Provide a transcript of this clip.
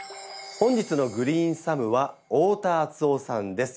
本日のグリーンサムは太田敦雄さんです。